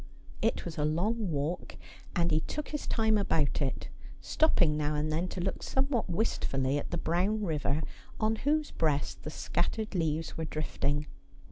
It was a long walk and he took his time about it, stopping now and then to look somewhat wistfully at the brown river, on whose breast the scattered leaves were drifting.